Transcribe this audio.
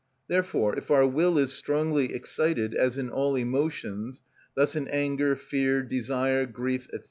Therefore, if our will is strongly excited, as in all emotions, thus in anger, fear, desire, grief, &c.